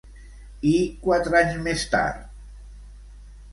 I quatre anys més tard?